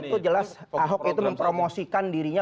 itu jelas ahok itu mempromosikan dirinya